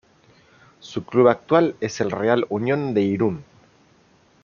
Su club actual es el Real Unión de Irún.